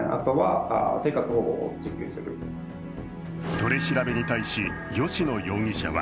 取り調べに対し、吉野容疑者は